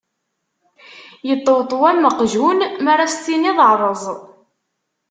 Iṭṭewṭew am uqjun mi ara s tiniḍ : ṛṛeẓ!